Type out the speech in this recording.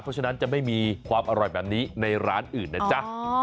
เพราะฉะนั้นจะไม่มีความอร่อยแบบนี้ในร้านอื่นนะจ๊ะ